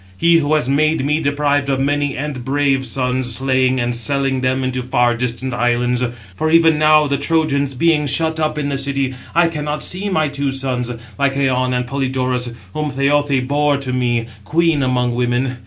He who has made me deprived of many and brave sons, slaying, and selling them into far distant islands. For even now the Trojans being shut up in the city, I cannot see my two sons, Lycaon and Polydorus, whom Laothoë bore to me, queen among women.